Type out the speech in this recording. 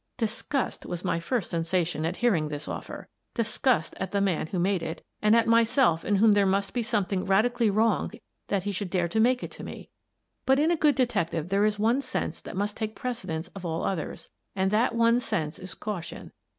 Disgust was my first sensation at hearing this offer — disgust at the man who made it and at myself in whom there must be something radically wrong that he should dare to make it to me — but in a good detective there is one sense that must take precedence of all others, and that one sense is caution.